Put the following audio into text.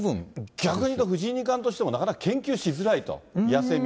逆にいうと、藤井二冠としても、なかなか研究しづらいと。